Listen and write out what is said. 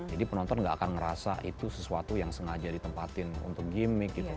jadi penonton gak akan ngerasa itu sesuatu yang sengaja ditempatin untuk gimmick gitu